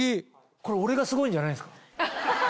これ俺がすごいんじゃないんですか？